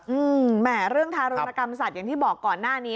แหมเรื่องทารุณกรรมสัตว์อย่างที่บอกก่อนหน้านี้